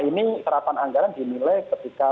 ini serapan anggaran dinilai ketika